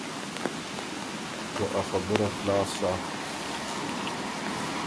که ا خبُره خلاص سَۀ“